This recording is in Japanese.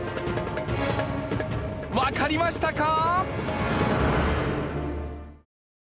わかりましたか？